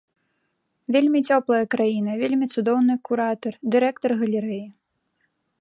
Вельмі цёплая краіна, вельмі цудоўны куратар, дырэктар галерэі.